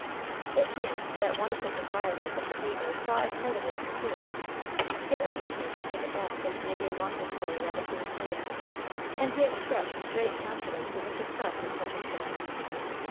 It chanced that one of the proprietors of the paper saw a part of it in proof. He urged me to take it back and make a longer story out of the materials, and he expressed great confidence in the success of such a story.